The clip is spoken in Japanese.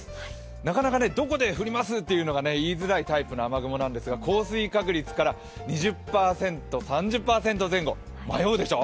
なかなか、どこで降りますというのが言いづらいタイプの雨雲なんですが、降水確率から２０％、３０％前後迷うでしょう。